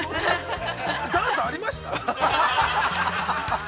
◆ダンスありました？